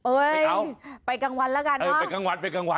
เอ้ยไปกลางวันละกันเนอะไปกลางวัน